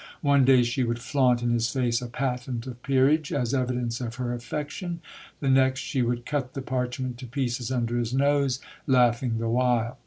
One day she would flaunt in his face a patent of peerage, as evidence of her affection; the next she would cut the parchment to pieces under his nose, laughing the while.